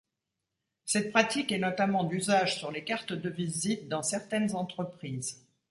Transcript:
Cette pratique est notamment d'usage sur les cartes de visite dans certaines entreprises.